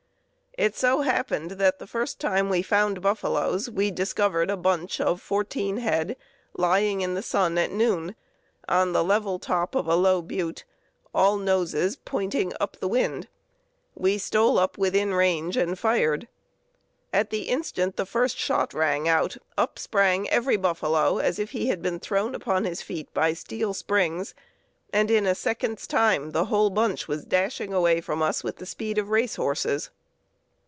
It so happened that the first time we found buffaloes we discovered a bunch of fourteen head, lying in the sun at noon, on the level top of a low butte, all noses pointing up the wind. We stole up within range and fired. At the instant the first shot rang out up sprang every buffalo as if he had been thrown upon his feet by steel springs, and in a second's time the whole bunch was dashing away from us with the speed of race horses.